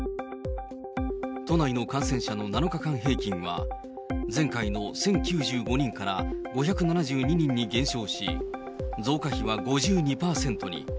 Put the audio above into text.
都内の感染者の７日間平均は、前回の１０９５人から５７２人に減少し、増加比は５２％に。